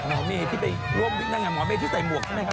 หมอเมย์ที่ไปร่วมวิ่งหน้างานหมอเมย์ที่ใส่หมวกใช่ไหมครับ